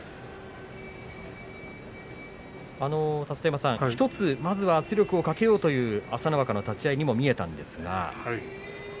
立田山さん、１つ圧力をかけようという朝乃若の立ち合いにも見えたんですが。